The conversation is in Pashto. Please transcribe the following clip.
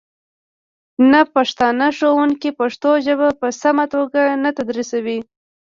ناپښتانه ښوونکي پښتو ژبه په سمه توګه نه تدریسوي